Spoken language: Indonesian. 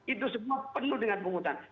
itu semua penuh dengan bungutan